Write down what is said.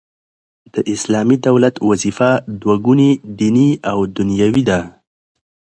د اسلامي دولت وظیفه دوه ګونې دیني او دنیوې ده.